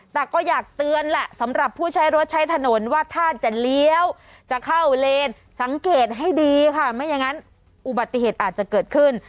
แต่ก็อยากเตือนแหละสำหรับผู้ใช้รถใช้ถนนว่าถ้าจะเลี้ยวจะเข้าเลนสังเกตให้ดีค่ะไม่อย่างนั้นอุบัติเหตุอาจจะเกิดขึ้น